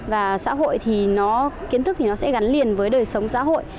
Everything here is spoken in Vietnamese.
và xã hội thì nó kiến thức thì nó sẽ gắn liền với đời sống của các bạn